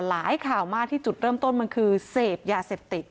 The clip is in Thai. ข่าวมากที่จุดเริ่มต้นมันคือเสพยาเสพติด